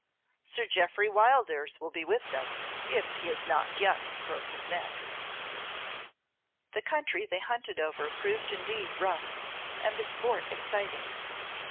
Sir Jeoffry Wildairs will be with them if he has not yet broke his neck." The country they hunted over proved indeed rough, and the sport exciting.